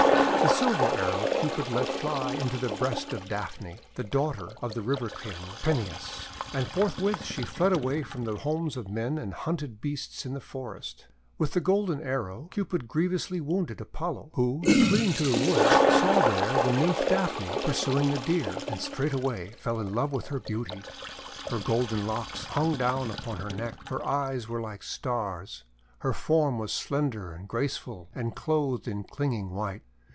The silver arrow Cupid let fly into the breast of Daphne, the daughter of the River King Peneus; and forthwith she fled away from the homes of men, and hunted beasts in the forest. 334 THE WONDER GARDEN With the golden arrow Cupid grievously wounded Apollo, who, fleeing to the woods, saw there the Nymph Daphne pursuing the Deer, and straightway he fell in love with her beauty. Her golden locks hung down upon her neck, her eyes were like stars, her form was slender and graceful and clothed in clinging white.